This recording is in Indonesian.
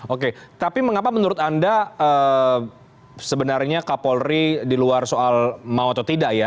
oke tapi mengapa menurut anda sebenarnya kapolri di luar soal mau atau tidak ya